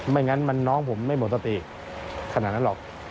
ไม่งั้นน้องผมไม่หมดสติขนาดนั้นหรอก